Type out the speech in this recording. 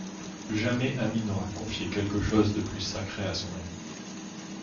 Jamais ami n’aura confié quelque chose de plus sacré à son ami.